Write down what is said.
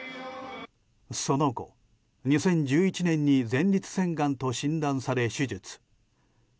その後、２０１１年に前立腺がんと診断され手術。